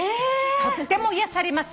「とっても癒やされます」